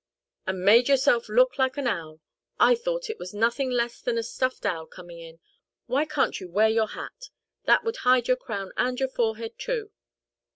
"And made yourself look like an owl! I thought it was nothing less than a stuffed owl coming in. Why can't you wear your hat? That would hide your crown and your forehead too."